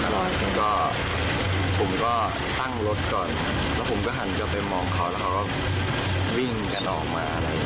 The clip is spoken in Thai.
แล้วก็ผมก็ตั้งรถก่อนแล้วผมก็หันกลับไปมองเขาแล้วเขาก็วิ่งกันออกมาอะไร